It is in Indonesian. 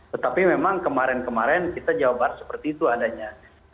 tetapi memang kemarin kemarin kita jawab seperti itu adanya